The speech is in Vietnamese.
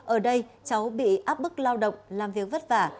ở đây cháu bị áp bức lao động làm việc vất vả